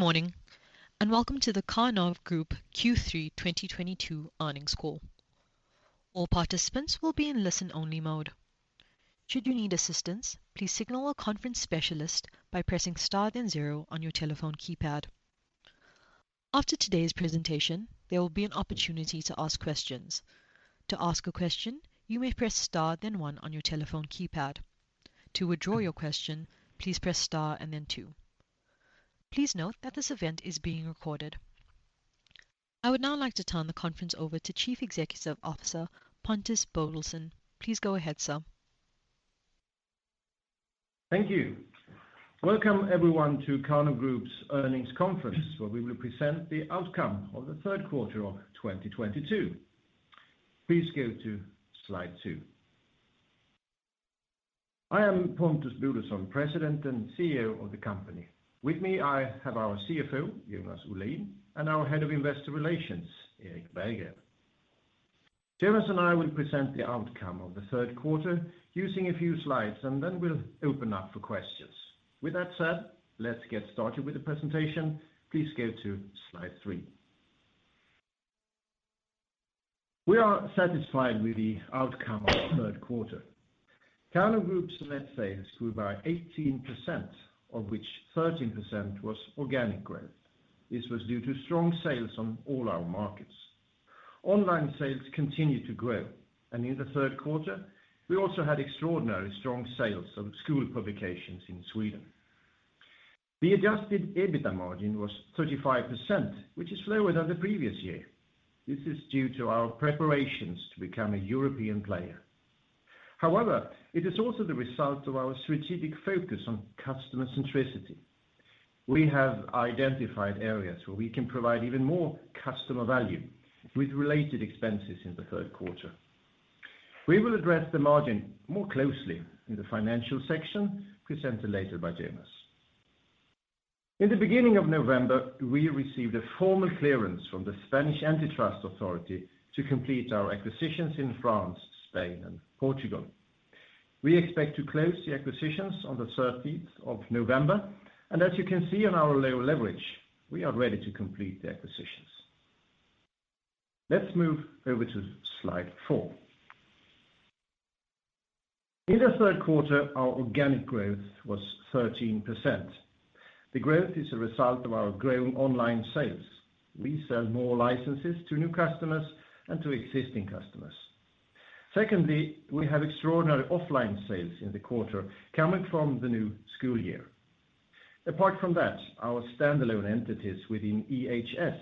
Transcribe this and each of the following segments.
Good morning, and welcome to the Karnov Group Q3 2022 earnings call. All participants will be in listen-only mode. Should you need assistance, please signal our conference specialist by pressing star then zero on your telephone keypad. After today's presentation, there will be an opportunity to ask questions. To ask a question, you may press star then one on your telephone keypad. To withdraw your question, please press star and then two. Please note that this event is being recorded. I would now like to turn the conference over to Chief Executive Officer Pontus Bodelsson. Please go ahead, sir. Thank you. Welcome everyone to Karnov Group's earnings conference, where we will present the outcome of the third quarter of 2022. Please go to slide two. I am Pontus Bodelsson, President and CEO of the company. With me, I have our CFO, Jonas Olin, and our Head of Investor Relations, Erik Berggren. Jonas and I will present the outcome of the third quarter using a few slides, and then we'll open up for questions. With that said, let's get started with the presentation. Please go to slide three. We are satisfied with the outcome of the third quarter. Karnov Group's net sales grew by 18%, of which 13% was organic growth. This was due to strong sales on all our markets. Online sales continued to grow, and in the third quarter, we also had extraordinarily strong sales of school publications in Sweden. The adjusted EBITDA margin was 35%, which is lower than the previous year. This is due to our preparations to become a European player. However, it is also the result of our strategic focus on customer centricity. We have identified areas where we can provide even more customer value with related expenses in the third quarter. We will address the margin more closely in the financial section presented later by Jonas. In the beginning of November, we received a formal clearance from the Spanish Antitrust Authority to complete our acquisitions in France, Spain, and Portugal. We expect to close the acquisitions on the thirteenth of November, and as you can see on our low leverage, we are ready to complete the acquisitions. Let's move over to slide four. In the third quarter, our organic growth was 13%. The growth is a result of our growing online sales. We sell more licenses to new customers and to existing customers. Secondly, we have extraordinary offline sales in the quarter coming from the new school year. Apart from that, our standalone entities within EHS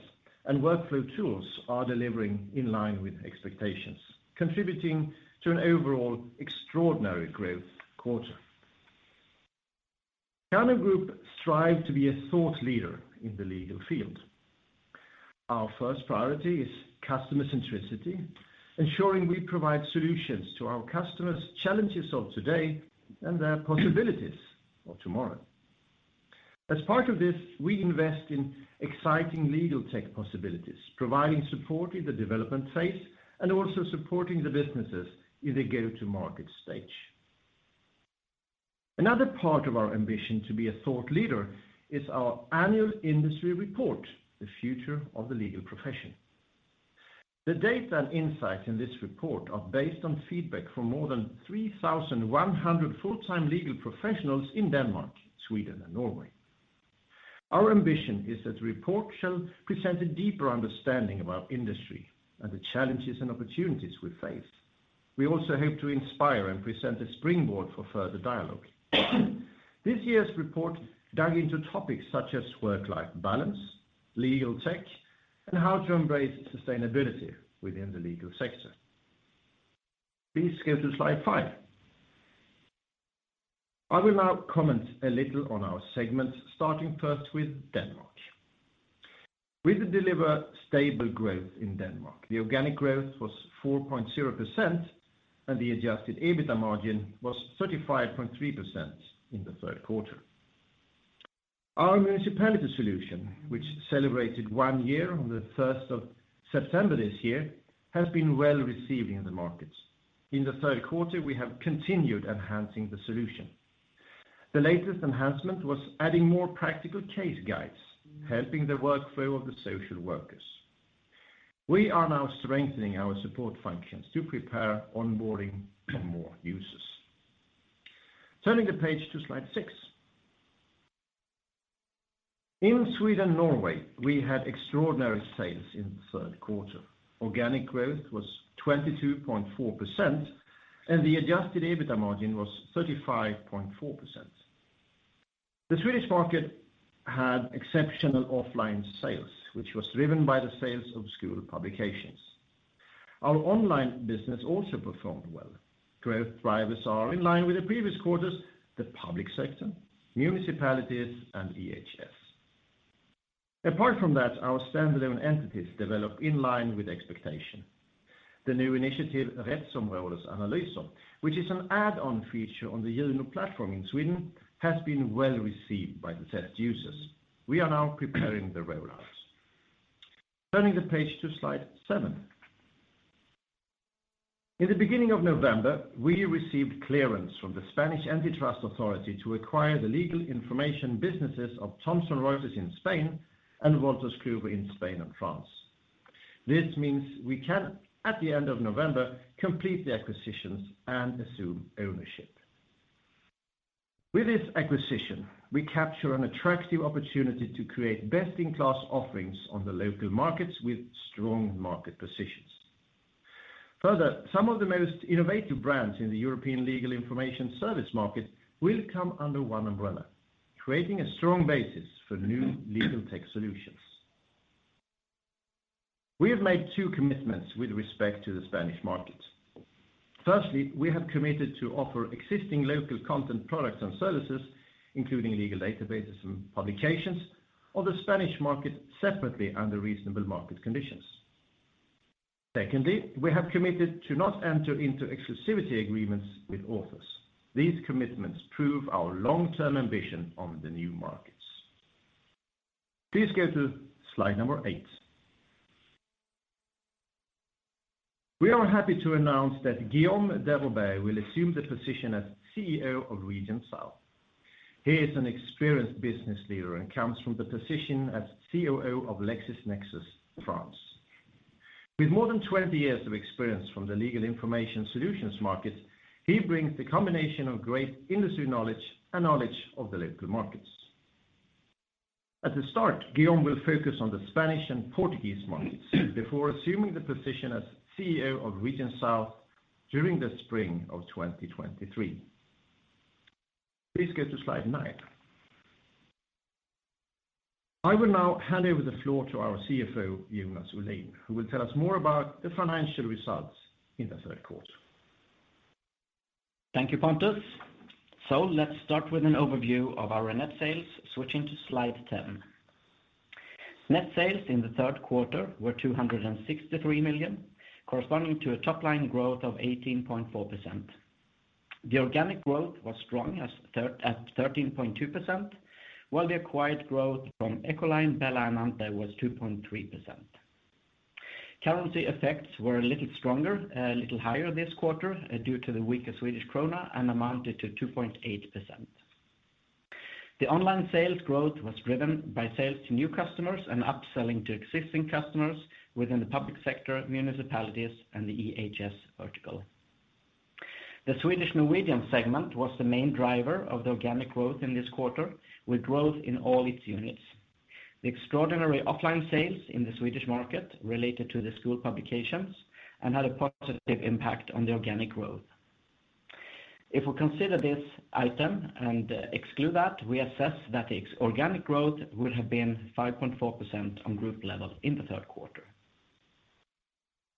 and Workflow Tools are delivering in line with expectations, contributing to an overall extraordinary growth quarter. Karnov Group strives to be a thought leader in the legal field. Our first priority is customer centricity, ensuring we provide solutions to our customers' challenges of today and their possibilities of tomorrow. As part of this, we invest in exciting legal tech possibilities, providing support in the development phase and also supporting the businesses in the go-to-market stage. Another part of our ambition to be a thought leader is our annual industry report, The Future of the Legal Profession. The data and insights in this report are based on feedback from more than 3,100 full-time legal professionals in Denmark, Sweden, and Norway. Our ambition is that the report shall present a deeper understanding of our industry and the challenges and opportunities we face. We also hope to inspire and present a springboard for further dialogue. This year's report dug into topics such as work-life balance, legal tech, and how to embrace sustainability within the legal sector. Please go to slide five. I will now comment a little on our segments, starting first with Denmark. We did deliver stable growth in Denmark. The organic growth was 4.0% and the adjusted EBITDA margin was 35.3% in the third quarter. Our municipality solution, which celebrated one year on the first of September this year, has been well received in the markets. In the third quarter, we have continued enhancing the solution. The latest enhancement was adding more practical case guides, helping the workflow of the social workers. We are now strengthening our support functions to prepare onboarding for more users. Turning the page to slide six. In Sweden and Norway, we had extraordinary sales in the third quarter. Organic growth was 22.4% and the adjusted EBITDA margin was 35.4%. The Swedish market had exceptional offline sales, which was driven by the sales of school publications. Our online business also performed well. Growth drivers are in line with the previous quarters, the public sector, municipalities, and EHS. Apart from that, our standalone entities developed in line with expectation. The new initiative, Rättsområdesanalyser, which is an add-on feature on the Juno platform in Sweden, has been well received by the test users. We are now preparing the rollouts. Turning the page to slide seven. In the beginning of November, we received clearance from the National Commission on Markets and Competition to acquire the legal information businesses of Thomson Reuters in Spain and Wolters Kluwer in Spain and France. This means we can, at the end of November, complete the acquisitions and assume ownership. With this acquisition, we capture an attractive opportunity to create best-in-class offerings on the local markets with strong market positions. Further, some of the most innovative brands in the European legal information service market will come under one umbrella, creating a strong basis for new legal tech solutions. We have made two commitments with respect to the Spanish market. Firstly, we have committed to offer existing local content products and services, including legal databases and publications of the Spanish market separately under reasonable market conditions. Secondly, we have committed to not enter into exclusivity agreements with authors. These commitments prove our long-term ambition on the new markets. Please go to slide eight. We are happy to announce that Guillaume Deroubaix will assume the position as CEO of Region South. He is an experienced business leader and comes from the position as COO of LexisNexis, France. With more than 20 years of experience from the legal information solutions market, he brings the combination of great industry knowledge and knowledge of the local markets. At the start, Guillaume will focus on the Spanish and Portuguese markets before assuming the position as CEO of Region South during the spring of 2023. Please go to slide nine. I will now hand over the floor to our CFO, Jonas Olin, who will tell us more about the financial results in the third quarter. Thank you, Pontus. Let's start with an overview of our net sales, switching to slide 10. Net sales in the third quarter were 263 million, corresponding to a top-line growth of 18.4%. The organic growth was strong at 13.2%, while the acquired growth from Echoline, BELLA, and Ante was 2.3%. Currency effects were a little stronger, a little higher this quarter, due to the weaker Swedish krona and amounted to 2.8%. The organic sales growth was driven by sales to new customers and upselling to existing customers within the public sector, municipalities, and the EHS vertical. The Swedish Norwegian segment was the main driver of the organic growth in this quarter, with growth in all its units. The extraordinary offline sales in the Swedish market related to the school publications and had a positive impact on the organic growth. If we consider this item and exclude that, we assess that its organic growth would have been 5.4% on group level in the third quarter.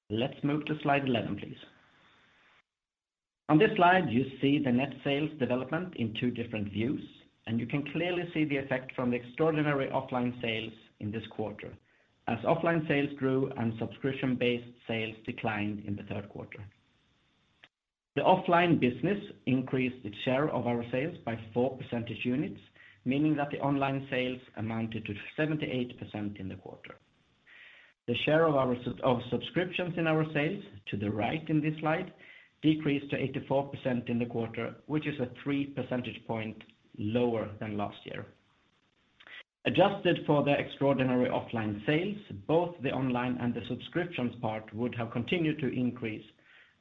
Let's move to slide 11, please. On this slide, you see the net sales development in two different views, and you can clearly see the effect from the extraordinary offline sales in this quarter, as offline sales grew and subscription-based sales declined in the third quarter. The offline business increased its share of our sales by four percentage points, meaning that the online sales amounted to 78% in the quarter. The share of our subscriptions in our sales to the right in this slide decreased to 84% in the quarter, which is a three percentage point lower than last year. Adjusted for the extraordinary offline sales, both the online and the subscriptions part would have continued to increase,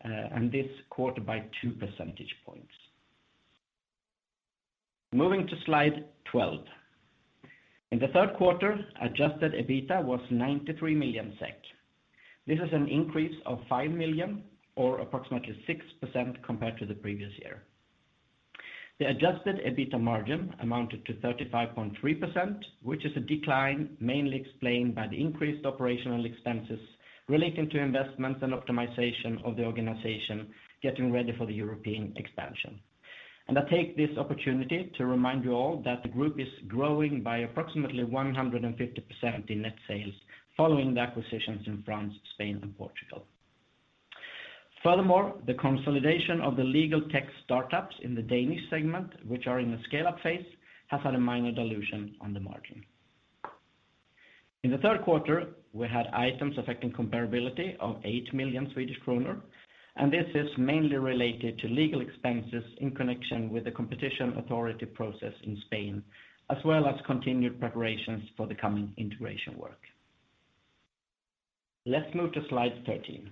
and this quarter by two percentage points. Moving to slide 12. In the third quarter, adjusted EBITDA was 93 million SEK. This is an increase of 5 million or approximately 6% compared to the previous year. The adjusted EBITDA margin amounted to 35.3%, which is a decline mainly explained by the increased operational expenses relating to investments and optimization of the organization getting ready for the European expansion. I take this opportunity to remind you all that the group is growing by approximately 150% in net sales following the acquisitions in France, Spain, and Portugal. Furthermore, the consolidation of the legal tech startups in the Danish segment, which are in the scale-up phase, has had a minor dilution on the margin. In the third quarter, we had items affecting comparability of 8 million Swedish kronor, and this is mainly related to legal expenses in connection with the competition authority process in Spain, as well as continued preparations for the coming integration work. Let's move to slide 13.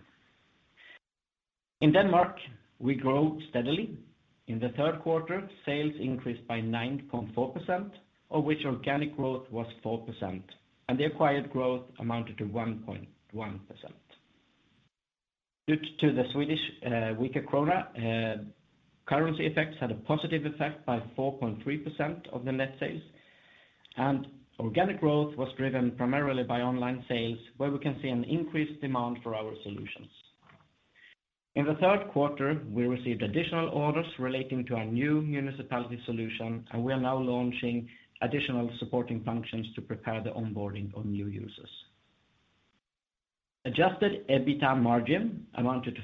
In Denmark, we grew steadily. In the third quarter, sales increased by 9.4%, of which organic growth was 4%, and the acquired growth amounted to 1.1%. Due to the weaker Swedish krona, currency effects had a positive effect by 4.3% of the net sales. Organic growth was driven primarily by online sales, where we can see an increased demand for our solutions. In the third quarter, we received additional orders relating to our new municipality solution, and we are now launching additional supporting functions to prepare the onboarding of new users. Adjusted EBITDA amounted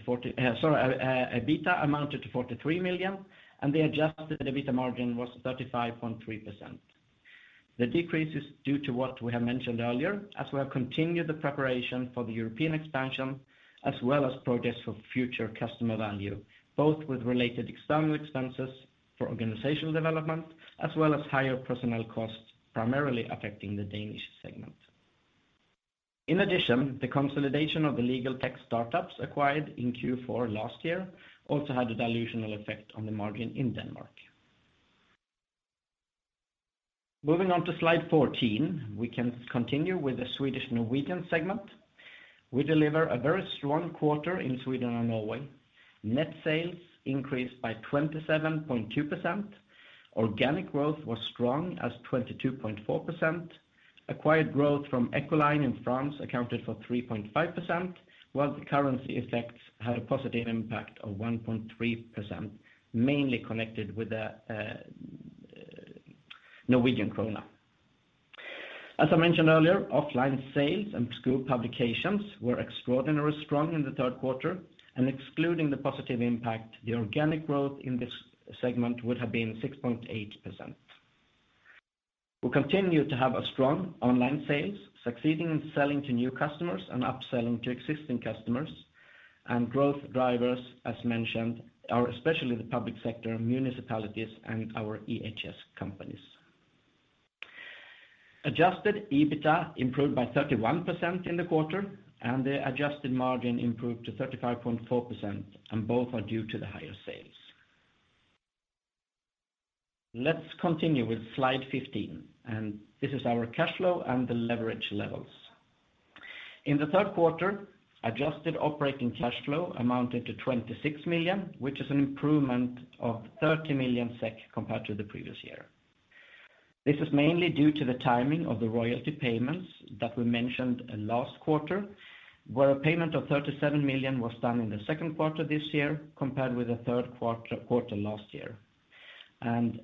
to 43 million, and the adjusted EBITDA margin was 35.3%. The decrease is due to what we have mentioned earlier as we have continued the preparation for the European expansion as well as progress for future customer value, both with related external expenses for organizational development as well as higher personnel costs, primarily affecting the Danish segment. In addition, the consolidation of the legal tech startups acquired in Q4 last year also had a dilutional effect on the margin in Denmark. Moving on to slide 14, we can continue with the Swedish-Norwegian segment. We deliver a very strong quarter in Sweden and Norway. Net sales increased by 27.2%. Organic growth was strong as 22.4%. Acquired growth from Echoline in France accounted for 3.5%, while the currency effects had a positive impact of 1.3%, mainly connected with the Norwegian krona. As I mentioned earlier, offline sales and school publications were extraordinarily strong in the third quarter, and excluding the positive impact, the organic growth in this segment would have been 6.8%. We continue to have a strong online sales, succeeding in selling to new customers and upselling to existing customers. Growth drivers, as mentioned, are especially the public sector, municipalities, and our EHS companies. Adjusted EBITA improved by 31% in the quarter, and the adjusted margin improved to 35.4%, and both are due to the higher sales. Let's continue with slide 15, and this is our cash flow and the leverage levels. In the third quarter, adjusted operating cash flow amounted to 26 million, which is an improvement of 30 million SEK compared to the previous year. This is mainly due to the timing of the royalty payments that we mentioned last quarter, where a payment of 37 million was done in the second quarter this year, compared with the third quarter last year.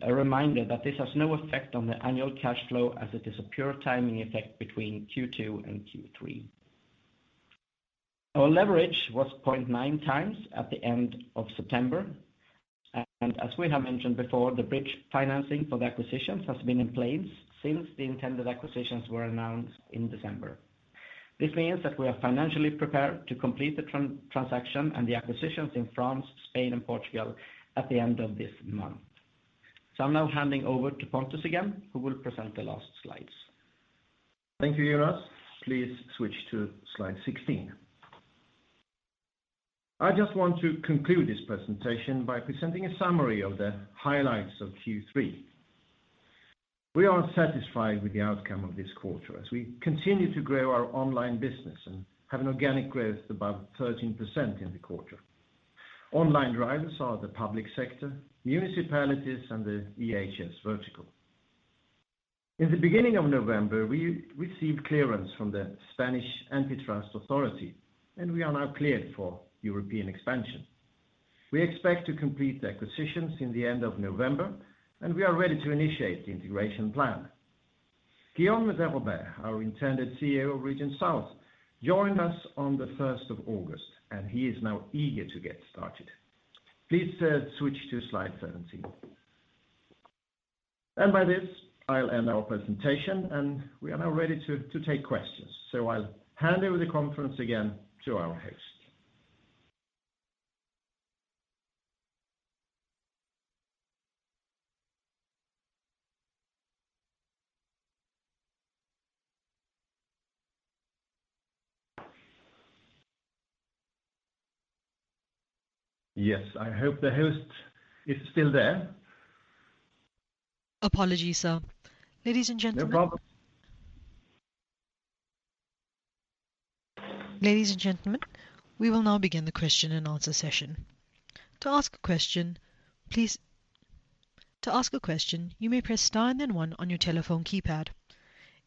A reminder that this has no effect on the annual cash flow as it is a pure timing effect between Q2 and Q3. Our leverage was 0.9x at the end of September. As we have mentioned before, the bridge financing for the acquisitions has been in place since the intended acquisitions were announced in December. This means that we are financially prepared to complete the transaction and the acquisitions in France, Spain, and Portugal at the end of this month. I'm now handing over to Pontus again, who will present the last slides. Thank you, Jonas. Please switch to slide 16. I just want to conclude this presentation by presenting a summary of the highlights of Q3. We are satisfied with the outcome of this quarter as we continue to grow our online business and have an organic growth above 13% in the quarter. Online drivers are the public sector, municipalities, and the EHS vertical. In the beginning of November, we received clearance from the Spanish Antitrust Authority, and we are now cleared for European expansion. We expect to complete the acquisitions in the end of November, and we are ready to initiate the integration plan. Guillaume Deroubaix, our intended CEO of Region South, joined us on the first of August, and he is now eager to get started. Please switch to slide 17. By this, I'll end our presentation, and we are now ready to take questions. I'll hand over the conference again to our host. Yes, I hope the host is still there. Apologies, sir. Ladies and gentlemen. No problem. Ladies and gentlemen, we will now begin the question and answer session. To ask a question, you may press star and then one on your telephone keypad.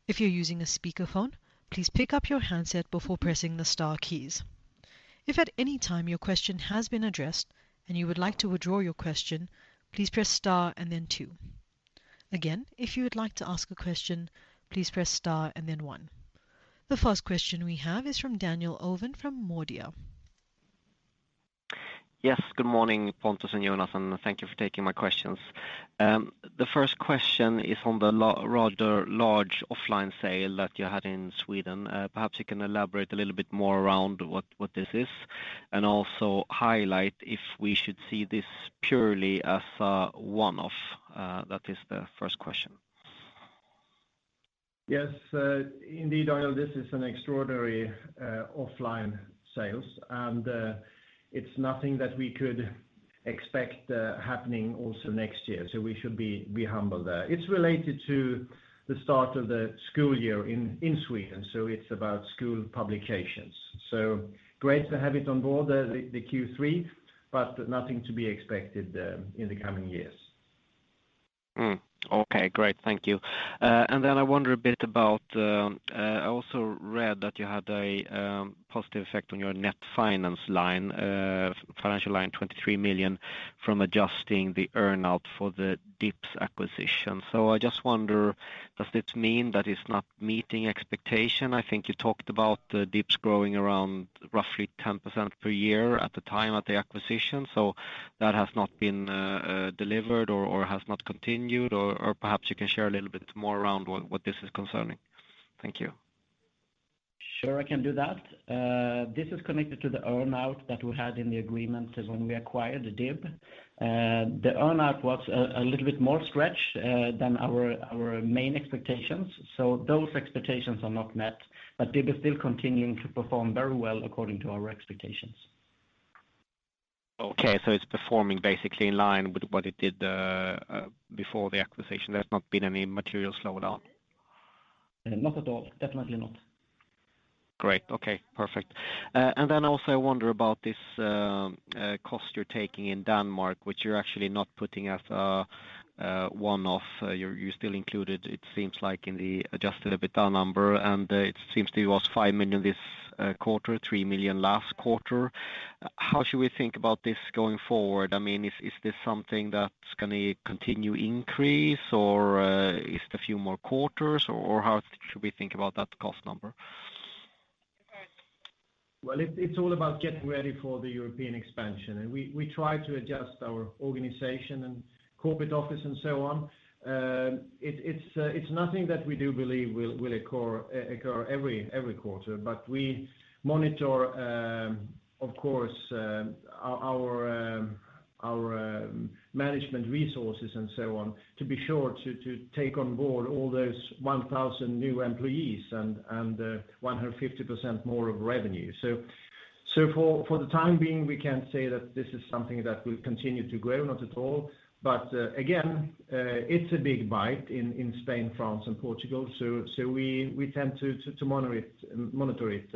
If you're using a speakerphone, please pick up your handset before pressing the star keys. If at any time your question has been addressed and you would like to withdraw your question, please press star and then two. Again, if you would like to ask a question, please press star and then one. The first question we have is from Daniel Ovin from Nordea. Yes. Good morning, Pontus and Jonas, and thank you for taking my questions. The first question is on the rather large offline sale that you had in Sweden. Perhaps you can elaborate a little bit more around what this is, and also highlight if we should see this purely as a one-off. That is the first question. Yes, indeed, Daniel. This is an extraordinary one-off sales, and it's nothing that we could expect happening also next year, so we should be humble there. It's related to the start of the school year in Sweden, so it's about school publications. Great to have it on board, the Q3, but nothing to be expected in the coming years. Okay, great. Thank you. I wonder a bit about I also read that you had a positive effect on your net finance line, financial line, 23 million from adjusting the earn-out for the DIB acquisition. I just wonder, does this mean that it's not meeting expectation? I think you talked about DIB growing around roughly 10% per year at the time of the acquisition. That has not been delivered or has not continued? Perhaps you can share a little bit more around what this is concerning. Thank you. Sure, I can do that. This is connected to the earn-out that we had in the agreement when we acquired DIB. The earn-out was a little bit more stretched than our main expectations, so those expectations are not met. DIB is still continuing to perform very well according to our expectations. Okay. It's performing basically in line with what it did before the acquisition. There's not been any material slowdown. Not at all. Definitely not. Great. Okay, perfect. And then also I wonder about this cost you're taking in Denmark, which you're actually not putting as a one-off. You still include it seems like, in the adjusted EBITDA number, and it seems to be it was 5 million this quarter, 3 million last quarter. How should we think about this going forward? I mean, is this something that's gonna continue increase or is it a few more quarters, or how should we think about that cost number? Well, it's all about getting ready for the European expansion. We try to adjust our organization and corporate office and so on. It's nothing that we do believe will occur every quarter. We monitor, of course, our management resources and so on to be sure to take on board all those 1,000 new employees and 150% more of revenue. For the time being, we can't say that this is something that will continue to grow, not at all. Again, it's a big bite in Spain, France and Portugal, so we tend to monitor it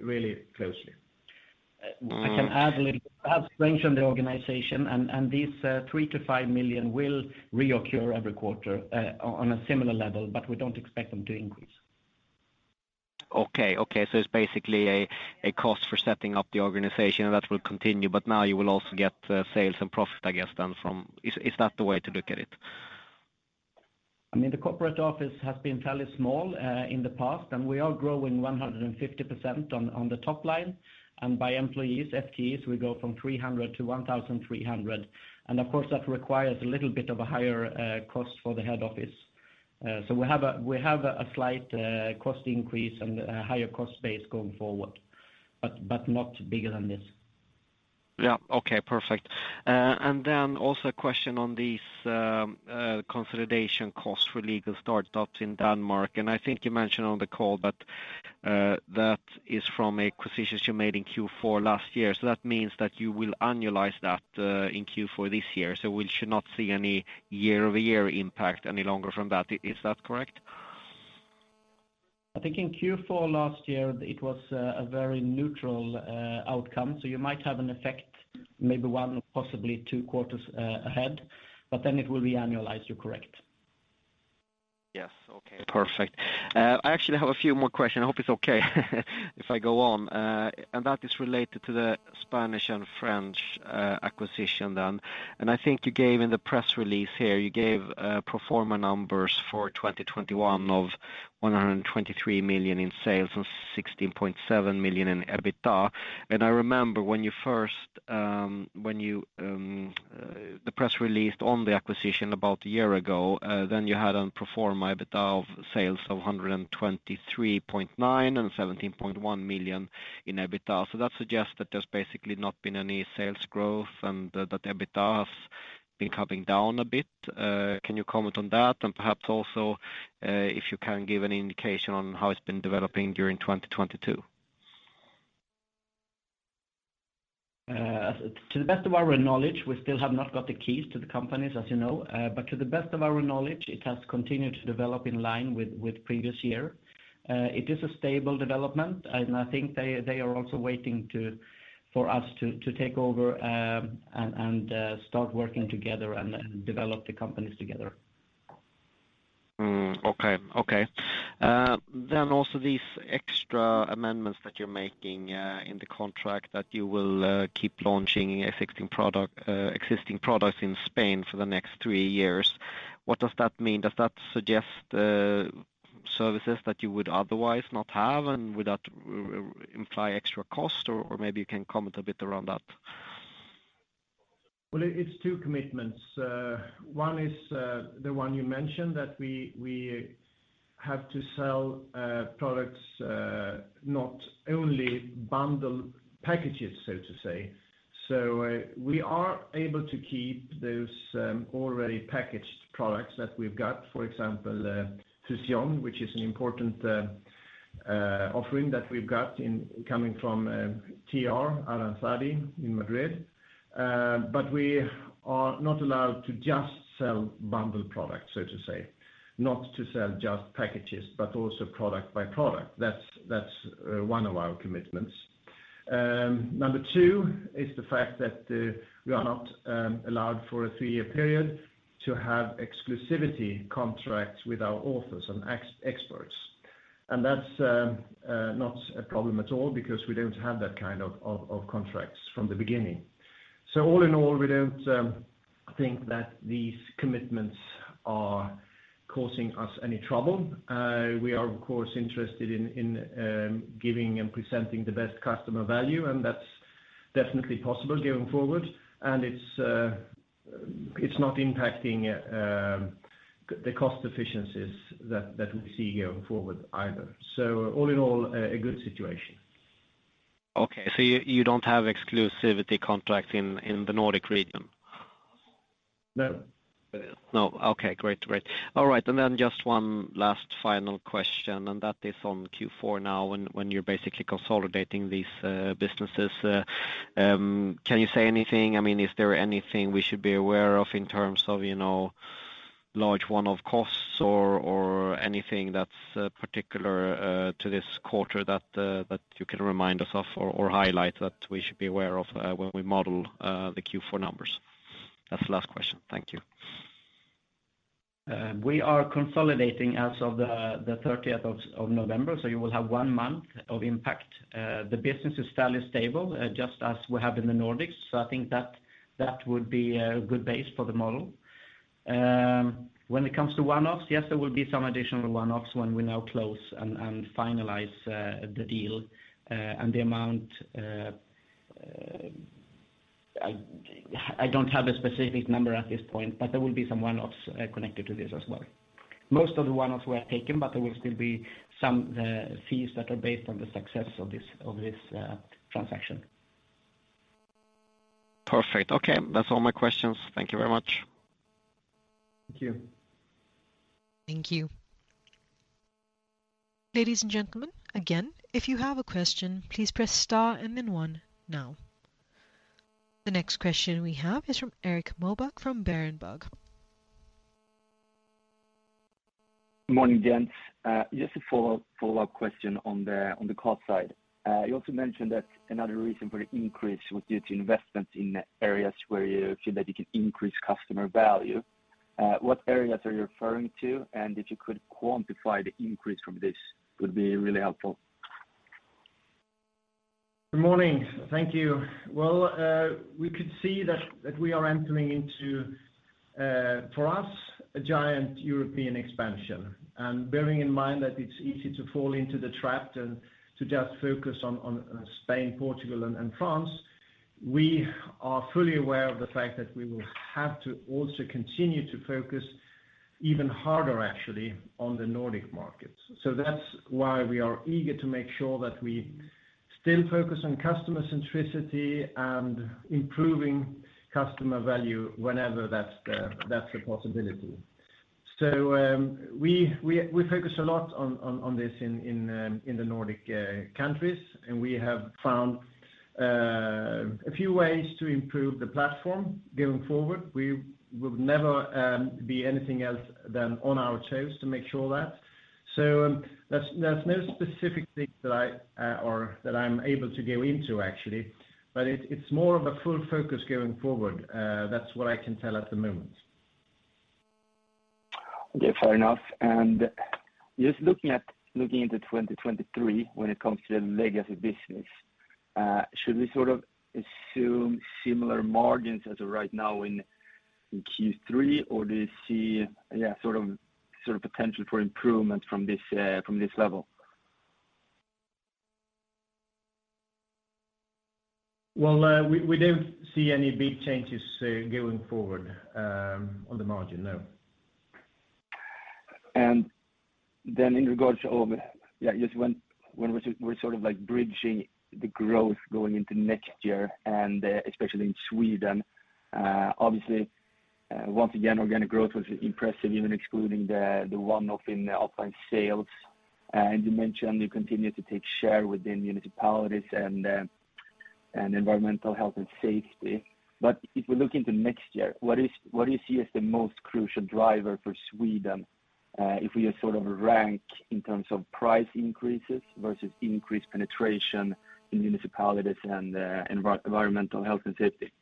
really closely. I can add a little. As mentioned, the organization and these 3 million-5 million will reoccur every quarter on a similar level, but we don't expect them to increase. Okay, okay. It's basically a cost for setting up the organization that will continue, but now you will also get sales and profit, I guess. Is that the way to look at it? I mean, the corporate office has been fairly small in the past, and we are growing 150% on the top line. By employees, FTEs, we go from 300 to 1,300. Of course, that requires a little bit of a higher cost for the head office. We have a slight cost increase and a higher cost base going forward, but not bigger than this. Yeah. Okay, perfect. Also a question on these consolidation costs for legal startups in Denmark. I think you mentioned on the call that that is from acquisitions you made in Q4 last year. That means that you will annualize that in Q4 this year. We should not see any year-over-year impact any longer from that. Is that correct? I think in Q4 last year, it was a very neutral outcome. You might have an effect maybe one, possibly two quarters ahead, but then it will be annualized. You're correct. Yes. Okay, perfect. I actually have a few more questions. I hope it's okay if I go on. That is related to the Spanish and French acquisition then. I think you gave in the press release here, you gave pro forma numbers for 2021 of 123 million in sales and 16.7 million in EBITDA. I remember when you the press release on the acquisition about a year ago, then you had a pro forma EBITDA and sales of 123.9 million and 17.1 million in EBITDA. That suggests that there's basically not been any sales growth and that EBITDA has been coming down a bit. Can you comment on that? Perhaps also, if you can give an indication on how it's been developing during 2022. To the best of our knowledge, we still have not got the keys to the companies, as you know. To the best of our knowledge, it has continued to develop in line with previous year. It is a stable development, and I think they are also waiting for us to take over, and start working together and develop the companies together. Also these extra amendments that you're making in the contract that you will keep launching existing products in Spain for the next three years. What does that mean? Does that suggest services that you would otherwise not have and would that imply extra cost or maybe you can comment a bit around that? Well, it's two commitments. One is the one you mentioned that we have to sell products not only bundle packages, so to say. We are able to keep those already packaged products that we've got, for example, Fusión, which is an important offering that we've got coming from TR, Aranzadi in Madrid. But we are not allowed to just sell bundle products, so to say. Not to sell just packages, but also product by product. That's one of our commitments. Number two is the fact that we are not allowed for a three-year period to have exclusivity contracts with our authors and experts. That's not a problem at all because we don't have that kind of contracts from the beginning. All in all, we don't think that these commitments are causing us any trouble. We are of course interested in giving and presenting the best customer value, and definitely possible going forward, and it's not impacting the cost efficiencies that we see going forward either. All in all, a good situation. Okay. You don't have exclusivity contracts in the Nordic region? No. No. Okay, great. Great. All right. Just one last final question, and that is on Q4 now, when you're basically consolidating these businesses. Can you say anything? I mean, is there anything we should be aware of in terms of, you know, large one-off costs or anything that's particular to this quarter that you can remind us of or highlight that we should be aware of when we model the Q4 numbers? That's the last question. Thank you. We are consolidating as of the thirtieth of November, so you will have one month of impact. The business is fairly stable, just as we have in the Nordics, so I think that would be a good base for the model. When it comes to one-offs, yes, there will be some additional one-offs when we now close and finalize the deal. The amount, I don't have a specific number at this point, but there will be some one-offs connected to this as well. Most of the one-offs were taken, but there will still be some fees that are based on the success of this transaction. Perfect. Okay. That's all my questions. Thank you very much. Thank you. Thank you. Ladies and gentlemen, again, if you have a question, please press star and then one now. The next question we have is from Erik Moberg from Berenberg. Morning, Jens. Just a follow-up question on the cost side. You also mentioned that another reason for the increase was due to investments in areas where you feel that you can increase customer value. What areas are you referring to? And if you could quantify the increase from this would be really helpful. Good morning. Thank you. Well, we could see that we are entering into, for us, a giant European expansion. Bearing in mind that it's easy to fall into the trap to just focus on Spain, Portugal, and France, we are fully aware of the fact that we will have to also continue to focus even harder actually on the Nordic markets. That's why we are eager to make sure that we still focus on customer centricity and improving customer value whenever that's a possibility. We focus a lot on this in the Nordic countries, and we have found a few ways to improve the platform going forward. We will never be anything else than on our toes to make sure of that. There's no specific things that I or that I'm able to go into actually, but it's more of a full focus going forward. That's what I can tell at the moment. Okay. Fair enough. Just looking into 2023, when it comes to the legacy business, should we sort of assume similar margins as of right now in Q3? Or do you see, yeah, sort of potential for improvement from this level? Well, we don't see any big changes going forward on the margin. No. In regards to just when we're sort of like bridging the growth going into next year and, especially in Sweden, obviously, once again, organic growth was impressive, even excluding the one-off in the offline sales. You mentioned you continue to take share within municipalities and environmental health and safety. If we look into next year, what do you see as the most crucial driver for Sweden, if we just sort of rank in terms of price increases versus increased penetration in municipalities and environmental health and safety?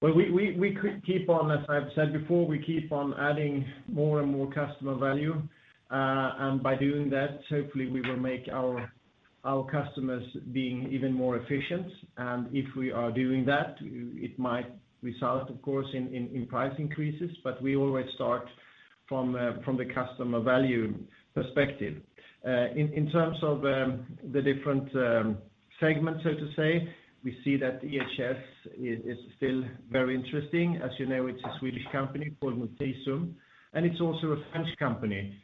Well, we could keep on. As I've said before, we keep on adding more and more customer value. By doing that, hopefully we will make our customers being even more efficient. If we are doing that, it might result, of course, in price increases, but we always start from the customer value perspective. In terms of the different segments, so to say, we see that EHS is still very interesting. As you know, it's a Swedish company called Notisum, and it's also a French company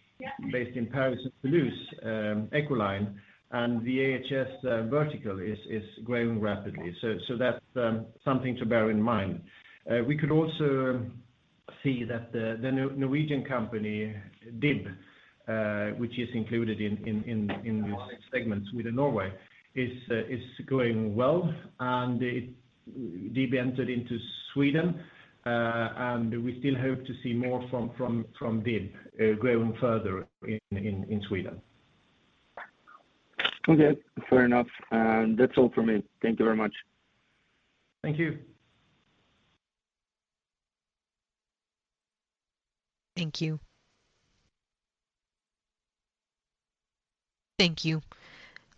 based in Paris and Toulouse, Echoline. The EHS vertical is growing rapidly. That's something to bear in mind. We could also see that the Norwegian company, DIB, which is included in these segments within Norway, is growing well. DIB entered into Sweden, and we still hope to see more from DIB, growing further in Sweden. Okay. Fair enough. That's all from me. Thank you very much. Thank you. Thank you.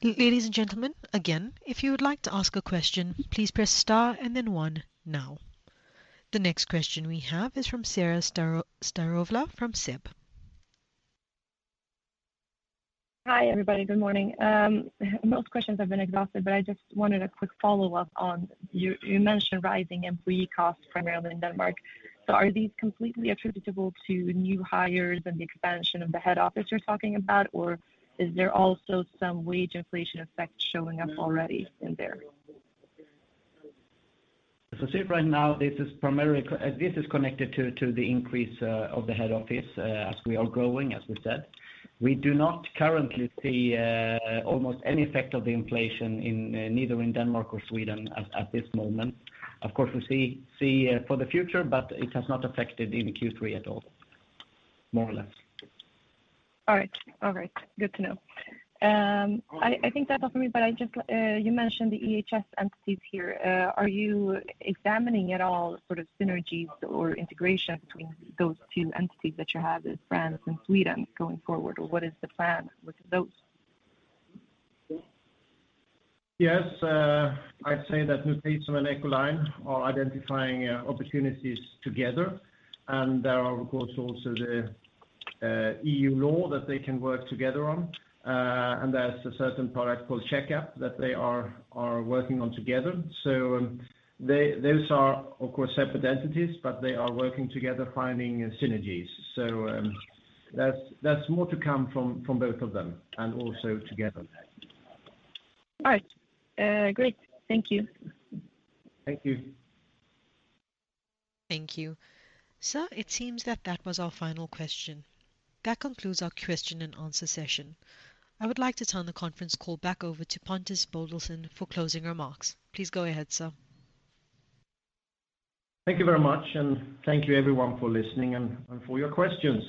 Ladies and gentlemen, again, if you would like to ask a question, please press star and then one now. The next question we have is from Sara Stenlund from SEB. Hi, everybody. Good morning. Most questions have been exhausted, but I just wanted a quick follow-up, you mentioned rising employee costs primarily in Denmark. Are these completely attributable to new hires and the expansion of the head office you're talking about? Or is there also some wage inflation effect showing up already in there? As of right now, this is connected to the increase of the head office as we are growing, as we said. We do not currently see almost any effect of the inflation in neither in Denmark or Sweden at this moment. Of course, we see for the future, but it has not affected in Q3 at all, more or less. All right. Good to know. I think that's all for me, but I just, you mentioned the EHS entities here. Are you examining at all sort of synergies or integration between those two entities that you have in France and Sweden going forward, or what is the plan with those? Yes. I'd say that Notisum and Echoline are identifying opportunities together, and there are of course also the EU law that they can work together on. There's a certain product called Checkup that they are working on together. Those are of course separate entities, but they are working together finding synergies. That's more to come from both of them and also together. All right. Great. Thank you. Thank you. Thank you. Sir, it seems that that was our final question. That concludes our question and answer session. I would like to turn the conference call back over to Pontus Bodelsson for closing remarks. Please go ahead, sir. Thank you very much, and thank you everyone for listening and for your questions.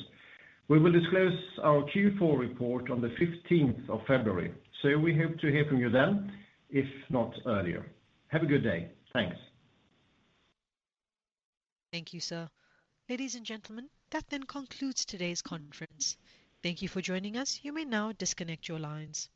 We will disclose our Q4 report on the February 15th, so we hope to hear from you then, if not earlier. Have a good day. Thanks. Thank you, sir. Ladies and gentlemen, that then concludes today's conference. Thank you for joining us. You may now disconnect your lines.